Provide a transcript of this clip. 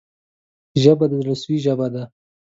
ژبه د زړه سوي ژبه ده